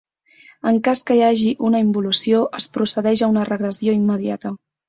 En cas que hi hagi una involució, es procedeix a una regressió immediata.